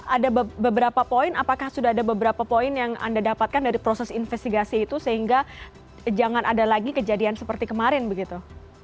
ada beberapa poin apakah sudah ada beberapa poin yang anda dapatkan dari proses investigasi itu sehingga jangan ada lagi kejadian seperti kemarin begitu